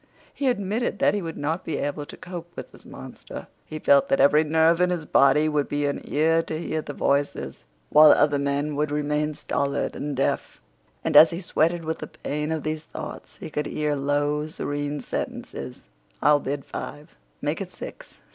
He admitted that he would not be able to cope with this monster. He felt that every nerve in his body would be an ear to hear the voices, while other men would remain stolid and deaf. And as he sweated with the pain of these thoughts, he could hear low, serene sentences. "I'll bid five." "Make it six."